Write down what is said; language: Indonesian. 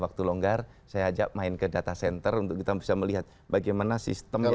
waktu longgar saya ajak main ke data center untuk kita bisa melihat bagaimana sistemnya